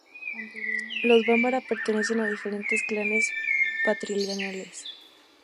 Los bambara pertenecen a diferentes clanes patrilineales.